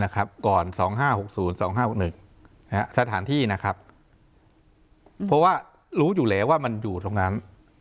ก่อน๒๕๖๐๒๕๖๑สถานที่นะครับเพราะว่ารู้อยู่แล้วว่ามันอยู่ตรงนั้น